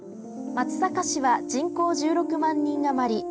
松阪市は人口１６万人余り。